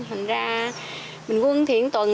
thành ra mình quân thiện tuần